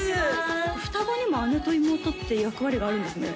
双子にも姉と妹って役割があるんですね